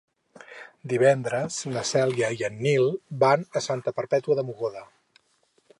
Divendres na Cèlia i en Nil van a Santa Perpètua de Mogoda.